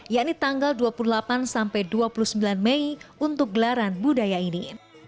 yakni tanggal dua puluh delapan sampai dua puluh sembilan mei untuk gelaran budaya ini